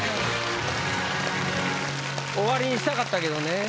終わりにしたかったけどね。